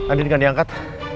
andin gak diangkat